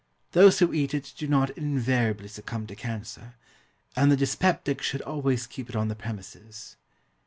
Those who eat it do not invariably succumb to cancer; and the dyspeptic should always keep it on the premises.